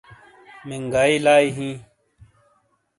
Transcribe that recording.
منگائ لائی ہی